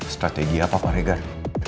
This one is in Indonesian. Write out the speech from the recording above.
strategi apa pak regar